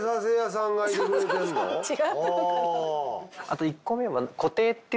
あと１個目は？